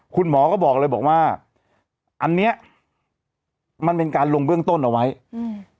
คุณหมอก็บอกเลยบอกว่าอันเนี้ยมันเป็นการลงเบื้องต้นเอาไว้อืม